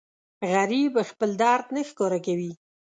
غریب خپل درد نه ښکاره کوي